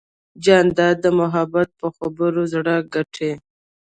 جانداد د محبت په خبرو زړه ګټي.